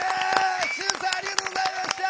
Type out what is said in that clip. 瞬さんありがとうございました！